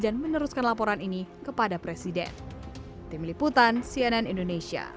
dan meneruskan laporan ini kepada presiden